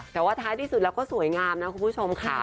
แต่ว่าท้ายที่สุดแล้วก็สวยงามนะคุณผู้ชมค่ะ